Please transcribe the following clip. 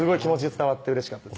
伝わってうれしかったです